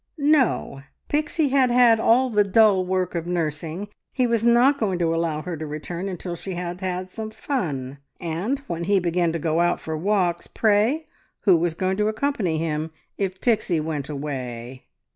No! Pixie had had all the dull work of nursing; he was not going to allow her to return until she had had some fun. And when he began to go out for walks, pray, who was going to accompany him, if Pixie went away?